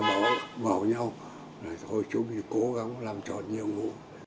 bỏ vào nhau rồi thôi chúng mình cố gắng làm tròn nhiều vụ